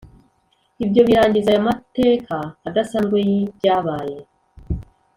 ibyo birangiza aya mateka adasanzwe yibyabaye,